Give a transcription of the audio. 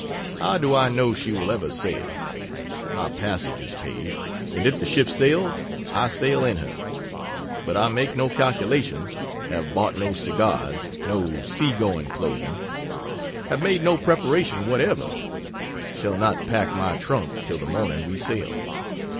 How do I know she will ever sail? My passage is paid, and if the ship sails, I sail in her but I make no calculations, have bought no cigars, no sea going clothing have made no preparation whatever shall not pack my trunk till the morning we sail.